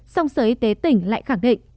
sông sở y tế tỉnh lại khẳng định